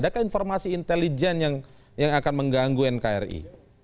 atau ada yang intelijen yang akan mengganggu nkri